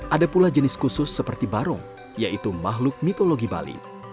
ada pula jenis khusus seperti barong yaitu makhluk mitologi bali